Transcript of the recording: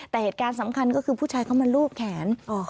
แต่เหตุการณ์สำคัญก็คือผู้ชายเขามาลูบแขน